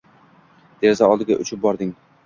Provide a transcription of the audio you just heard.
Deraza oldiga uchib bording.